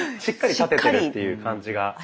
しっかり立ててるっていう感じが。